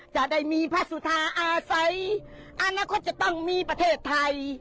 จะได้มีพระสุธาอาศัยอนาคตจะต้องมีประเทศไทย